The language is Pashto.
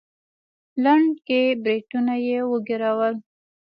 لنډکي برېتونه يې وګرول.